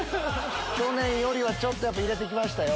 去年よりはちょっと入れて来ましたよ。